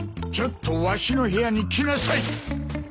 ちょっとわしの部屋に来なさい。